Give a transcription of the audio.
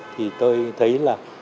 thì tôi thấy là